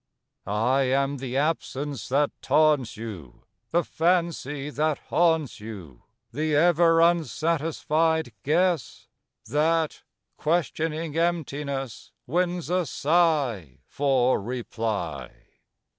I am the absence that taunts you, The fancy that haunts you; The ever unsatisfied guess That, questioning emptiness, Wins a sigh for reply.